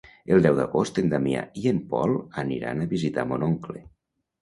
El deu d'agost en Damià i en Pol aniran a visitar mon oncle.